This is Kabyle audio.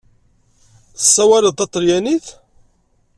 Tessawaleḍ taṭalyanit?